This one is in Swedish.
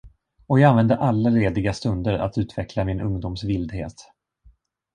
Och jag använde alla lediga stunder att utveckla min ungdoms vildhet.